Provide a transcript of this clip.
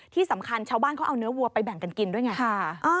ที่สำคัญชาวบ้านเขาเอาเนื้อวัวไปแบ่งกันกินด้วยไง